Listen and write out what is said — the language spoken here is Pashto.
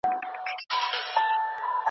د جګړې او سولې رومان د پوهې او معرفت سرچینه ده.